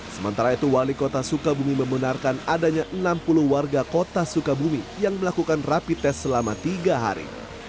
sementara itu wali kota sukabumi membenarkan adanya enam puluh warga kota sukabumi yang melakukan rapi tes selama tiga hari